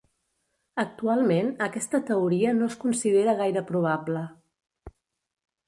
Actualment, aquesta teoria no es considera gaire probable.